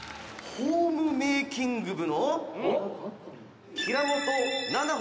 「ホームメイキング部？」